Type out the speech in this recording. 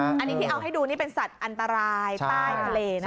อันนี้ที่เอาให้ดูนี่เป็นสัตว์อันตรายใต้ทะเลนะ